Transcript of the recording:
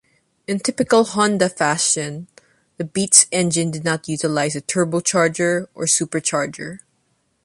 In typical Honda fashion, the Beat's engine did not utilize a turbocharger or supercharger.